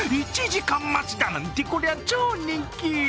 １時間待ちだなんてこりゃ、超人気。